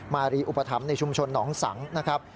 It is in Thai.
มารีอุปถัมภ์ในชุมชนหนองสังนะครับ